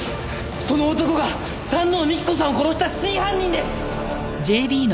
その男が山王美紀子さんを殺した真犯人です！